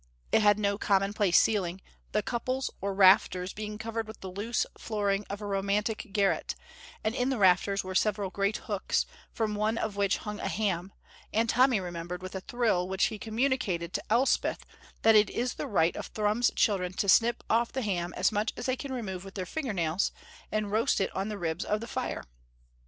It had no commonplace ceiling, the couples, or rafters, being covered with the loose flooring of a romantic garret, and in the rafters were several great hooks, from one of which hung a ham, and Tommy remembered, with a thrill which he communicated to Elspeth, that it is the right of Thrums children to snip off the ham as much as they can remove with their finger nails and roast it on the ribs of the fire.